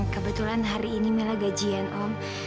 kebetulan hari ini mila gajian om